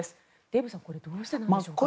デーブさんどうしてなんでしょうか？